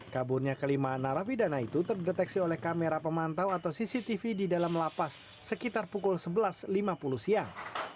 kaburnya kelima narapidana itu terdeteksi oleh kamera pemantau atau cctv di dalam lapas sekitar pukul sebelas lima puluh siang